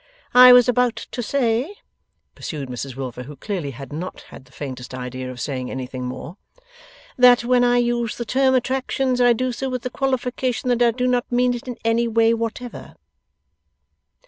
'I was about to say,' pursued Mrs Wilfer, who clearly had not had the faintest idea of saying anything more: 'that when I use the term attractions, I do so with the qualification that I do not mean it in any way whatever.